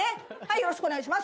よろしくお願いします